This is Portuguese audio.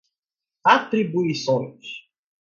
atribuições